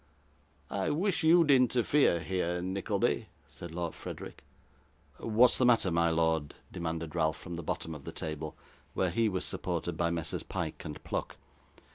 'I wish you'd interfere here, Nickleby,' said Lord Frederick. 'What is the matter, my lord?' demanded Ralph from the bottom of the table, where he was supported by Messrs Pyke and Pluck.